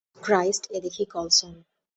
Christ, এ দেখি Colson.